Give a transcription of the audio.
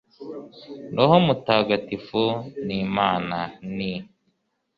roho mutagatifu ni imana, ni